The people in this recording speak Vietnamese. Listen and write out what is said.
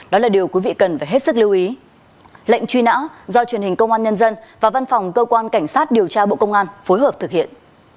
do truyền hình công an nhân dân và văn phòng cơ quan cảnh sát điều tra bộ công an phối hợp thực hiện